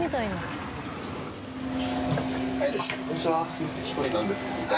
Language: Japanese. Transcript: すいません一人なんですけど。